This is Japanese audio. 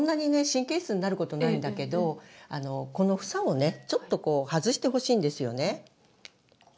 神経質になることないんだけどこの房をねちょっとこう外してほしいんですよね。